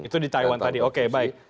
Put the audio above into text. itu di taiwan tadi oke baik